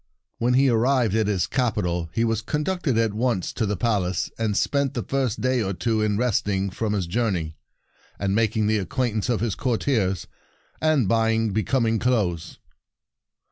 When he arrived at his capi tal he was conducted at once to the palace, and spent the first day or two in resting from his journey, and malting the acquaintance of his courtiers, and buying becoming clothes.